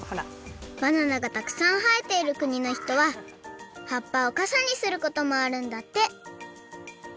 バナナがたくさんはえているくにのひとははっぱをかさにすることもあるんだって！